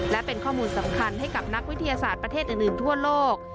และเป็นข้อมูลสำคัญให้กับนักวิทยาศาสตร์ประเทศอื่นทั่วโลก